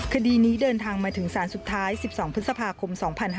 คดีนี้เดินทางมาถึงสารสุดท้าย๑๒พฤษภาคม๒๕๕๙